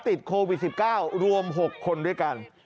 ติดโควิด๑๙รวม๖คนด้วยกัน